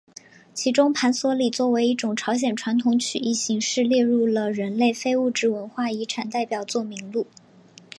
其中盘索里作为一种朝鲜传统曲艺形式列入了人类非物质文化遗产代表作名录。